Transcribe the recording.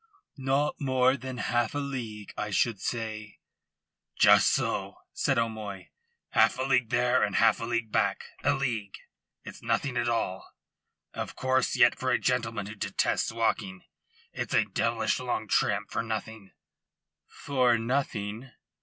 "Not more than half a league, I should say." "Just so," said O'Moy. "Half a league there, and half a league back: a league. It's nothing at all, of course; yet for a gentleman who detests walking it's a devilish long tramp for nothing." "For nothing?"